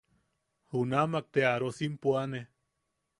Junamak te arosim puane.